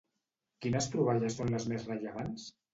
Quines troballes són les més rellevants?